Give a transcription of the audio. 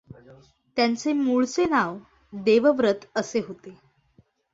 त्यांचे मूळचे नाव देवव्रत असे होते.